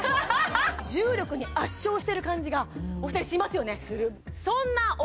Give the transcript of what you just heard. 重力に圧勝してる感じがお二人しますよね